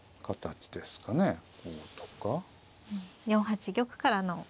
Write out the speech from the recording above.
４八玉からの。